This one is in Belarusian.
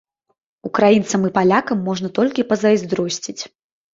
Украінцам і палякам можна толькі пазайздросціць.